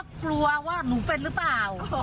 กลัวว่าหนูเป็นหรือเปล่า